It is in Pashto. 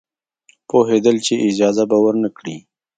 پوهېدل چې اجازه به ورنه کړي.